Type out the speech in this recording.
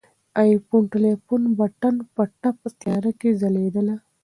د آیفون ټلیفون بټن په تپ تیاره کې ځلېدله.